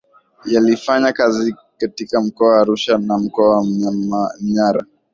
yalifanya kazi katika mkoa wa arusha na mkoa wa manyara